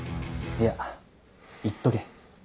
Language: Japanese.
いや行っとけ。